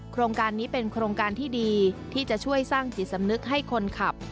โครงการนี้เป็นโครงการที่ดีที่จะช่วยสร้างจิตสำนึกให้คนขับ